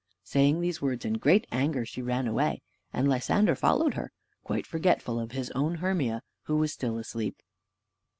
Saying these words in great anger, she ran away; and Lysander followed her, quite forgetful of his own Hermia, who was still asleep.